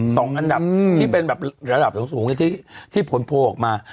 สองอันดับที่เป็นแบบระดับสูงที่ผลโพลออกมา